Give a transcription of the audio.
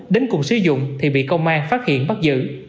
đến cùng sử dụng thì bị công an phát hiện bắt giữ